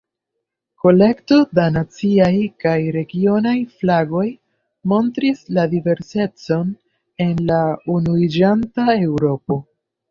Kolekto da naciaj kaj regionaj flagoj montris la diversecon en la unuiĝanta Eŭropo.